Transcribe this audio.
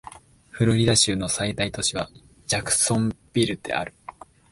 フロリダ州の最大都市はジャクソンビルである